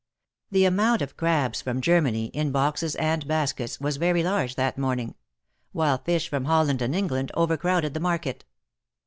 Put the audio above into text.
The amount of crabs from Germany, in boxes and baskets, was very large that morning; while fish from Holland and England overcrowded the market.